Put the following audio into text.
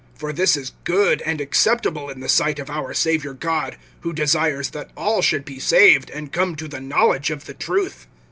(3)For this is good and acceptable in the sight of our Savior God; (4)who desires that all should be saved, and come to the knowledge of the truth.